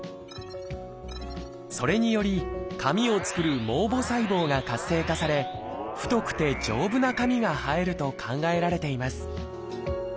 それにより髪を作る毛母細胞が活性化され太くて丈夫な髪が生えると考えられています